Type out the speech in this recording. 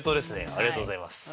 ありがとうございます。